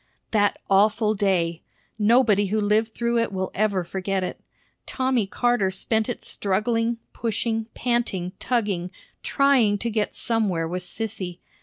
That awful day! Nobody who lived through it will ever forget it. Tommy Carter spent it struggling, pushing, panting, tugging, trying to get somewhere with Sissy.